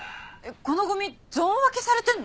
このゴミゾーン分けされてるの？